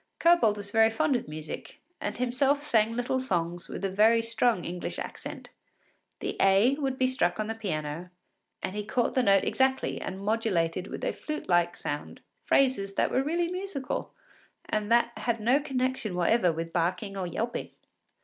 Kobold was very fond of music, and himself sang little songs with a very strong English accent. The A would be struck on the piano, and he caught the note exactly and modulated with a flute like sound phrases that were really musical and that had no connection whatever with barking or yelping.